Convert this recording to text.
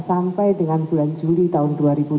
sampai dengan bulan juli tahun dua ribu dua puluh